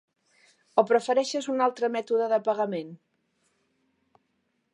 O prefereixes un altre mètode de pagament?